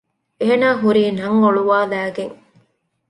އޭނާ ހުރީ ނަން އޮޅުވާލައިގެން